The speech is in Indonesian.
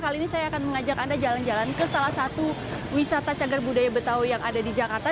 kali ini saya akan mengajak anda jalan jalan ke salah satu wisata cagar budaya betawi yang ada di jakarta